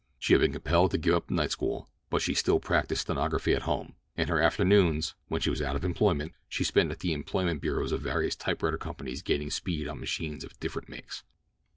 She had been compelled to give up night school, but she still practised stenography at home; and her afternoons, when she was out of employment, she spent at the employment bureaus of various typewriter companies gaining speed on machines of different makes.